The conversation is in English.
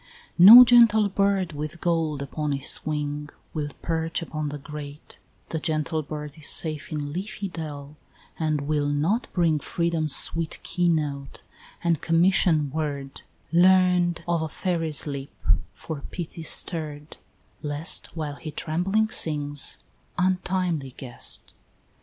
V. No gentle bird with gold upon its wing Will perch upon the grate the gentle bird Is safe in leafy dell, and will not bring Freedom's sweet key note and commission word Learn'd of a fairy's lips, for pity stirr'd Lest while he trembling sings, untimely guest!